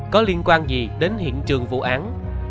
có liên quan gì đến hiện trường vụ án